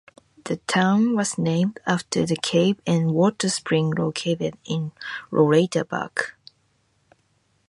The town was named after the cave and water spring located in Rolater Park.